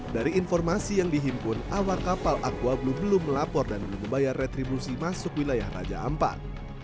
dari informasi yang dihimpun awal kapal aqua blue belum melapor dan belum membayar retribusi masuk wilayah raja ampat